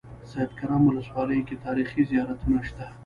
سیدکرم ولسوالۍ کې تاریخي زيارتونه شته.